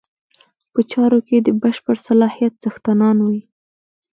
په چارو کې د بشپړ صلاحیت څښتنان وي.